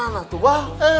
nah itu abah